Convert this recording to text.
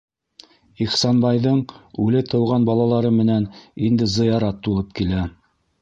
Ихсанбайҙың үле тыуған балалары менән инде зыярат тулып килә.